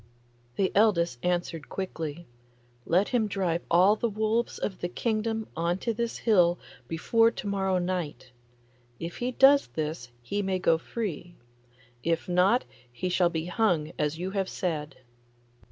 The eldest answered quickly, 'Let him drive all the wolves of the kingdom on to this hill before to morrow night. If he does this he may go free; if not he shall be hung as you have said.